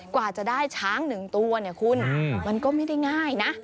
กว่าจะได้ช้าง๑ตัวเนี่ยคุณมันก็ไม่ได้ง่ายนะ